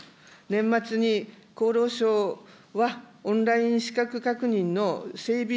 年末に厚労省はオンライン資格確認の整備